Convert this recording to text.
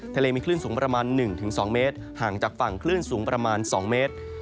ทะเลมีคลื่นสูงประมาณ๑๒เมตรห่างจากฝั่งคลื่นสูงประมาณ๒เมตร